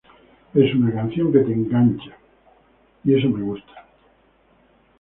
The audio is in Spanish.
Es una canción que te engaña, y eso me gusta.